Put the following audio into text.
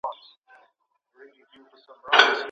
ایا افغان سوداګر انځر صادروي؟